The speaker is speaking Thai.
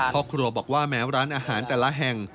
ครอบครัวบอกว่าแม้ร้านอาหารแต่ละแห่ง